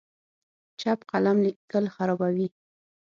چپ قلم لیکل خرابوي.